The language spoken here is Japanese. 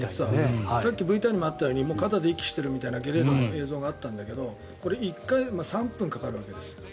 さっきＶＴＲにあったように肩で息しているというゲレーロＪｒ．の映像があったけどこれ、１回３分かかるわけです。